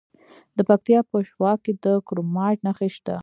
د پکتیا په شواک کې د کرومایټ نښې شته.